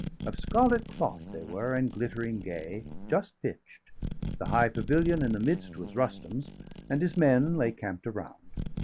Of scarlet cloth they were, and glittering gay, Just pitch'd; the high pavilion in the midst Was Rustum's, and his men lay camp'd around.